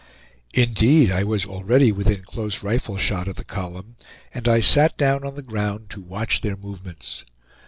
Indeed I was already within close rifle shot of the column, and I sat down on the ground to watch their movements.